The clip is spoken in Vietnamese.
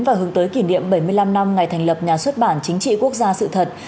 và hướng tới kỷ niệm bảy mươi năm năm ngày thành lập nhà xuất bản chính trị quốc gia sự thật